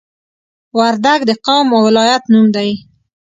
وردګ د قوم او ولایت نوم دی